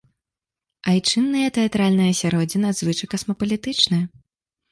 Айчыннае тэатральнае асяроддзе надзвычай касмапалітычнае.